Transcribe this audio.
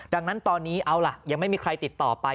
ดังนั้นตอนนี้เอาล่ะยังไม่มีใครติดต่อไป